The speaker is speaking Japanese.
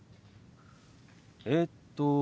えっと。